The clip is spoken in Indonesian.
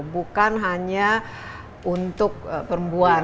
bukan hanya untuk perempuan